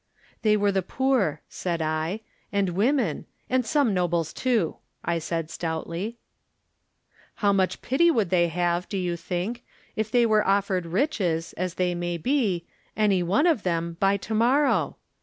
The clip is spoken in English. "They were the poor," said I, "and women — and some nobles, too," I added, stoutly. Digitized by Google THE NINTH MAN "How much pity would they have, do you think, if they were offered riches, as they may be, any one of them, by to mor row?